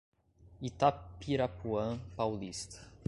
Itapirapuã Paulista